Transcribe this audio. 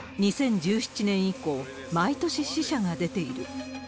２０１７年以降、毎年死者が出ている。